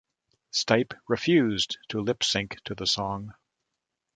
Stipe refused to lip sync to the song.